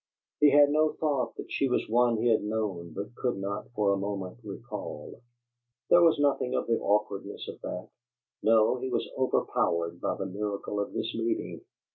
He had no thought that she was one he had known but could not, for the moment, recall; there was nothing of the awkwardness of that; no, he was overpowered by the miracle of this meeting.